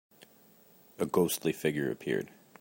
A ghostly figure appeared.